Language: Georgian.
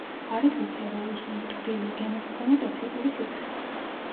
არის უფერო, უსუნო, ტკბილი გემოს მქონე ტოქსიკური სითხე.